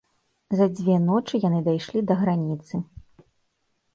За дзве ночы яны дайшлі да граніцы.